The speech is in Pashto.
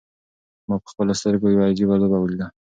ما په خپلو سترګو یوه عجیبه لوبه ولیده.